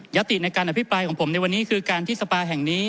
ติในการอภิปรายของผมในวันนี้คือการที่สภาแห่งนี้